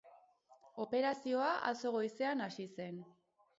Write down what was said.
Operazioa atzo goizean hasi zen.